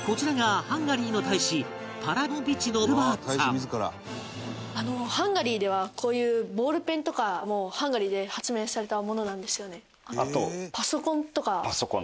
こちらがハンガリーではこういうボールペンとかもハンガリーで発明されたものなんですよね？